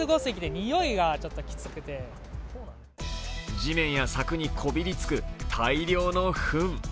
地面や柵にこびりつく大量のふん。